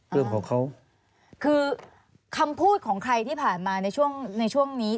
เรื่องของเขาคือคำพูดของใครที่ผ่านมาในช่วงในช่วงนี้